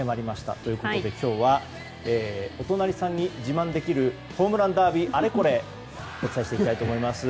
ということで今日はお隣さんに自慢できるホームランダービーあれこれをお伝えしていきたいと思います。